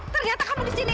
ternyata kamu disini